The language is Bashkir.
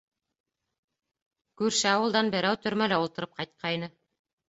Күрше ауылдан берәү төрмәлә ултырып ҡайтҡайны.